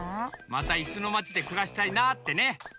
またいすのまちでくらしたいなってね。